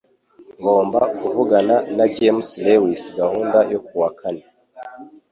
Ngomba kuvugana na James Lewis gahunda yo kuwa kane